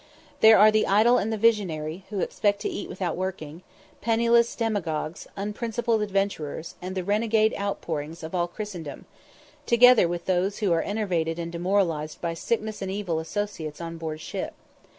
There are the idle and the visionary, who expect to eat without working; penniless demagogues, unprincipled adventurers, and the renegade outpourings of all Christendom; together with those who are enervated and demoralised by sickness and evil associates on board ship.